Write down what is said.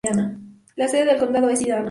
La sede del condado es Edina.